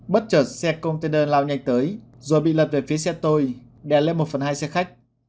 bất chợt xe container lao nhanh tới rồi bị lật về phía xe tôi đè lên một phần hai xe khách